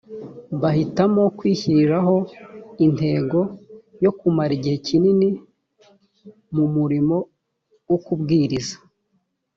bahitamo kwishyiriraho intego yo kumara igihe kinini mu murimo wo kubwiriza